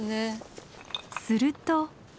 すると。